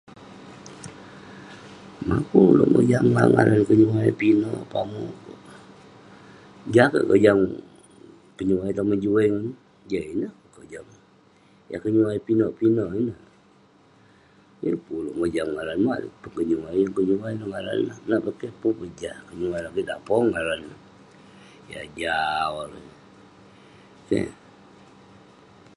Mah pun ulouk mojam ngaran ngaran kenyuai pinek pamuk kek. Jah kek kojam, kenyuai Tamen Juwen. Jah ineh kojam. Yah kenyuai pinek pinek ineh, yeng pun ulouk mojam ngaran. Maok neh kenyuai, yeng kenyuai neh ngaran neh. Nak peh keh, pun peh jah, kenyuai Lakeik Dapong ngaran neh ; yah jau erei. Keh.